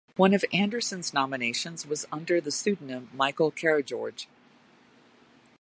One of Anderson's nominations was under the pseudonym Michael Karageorge.